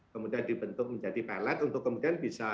kemudian dibentuk menjadi pellet untuk kemudian bisa